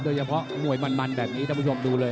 โดยเฉพาะมวยมันแบบนี้ท่านผู้ชมดูเลย